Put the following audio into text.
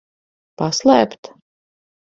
Paslēpt?